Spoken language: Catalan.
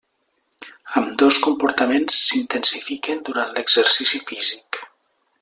Ambdós comportaments s'intensifiquen durant l'exercici físic.